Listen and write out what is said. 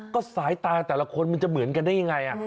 ก็สายตาแต่ละคนมันจะเหมือนกันได้ยังไง